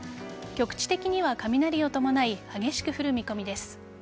局地的には雷を伴い激しく降る見込みです。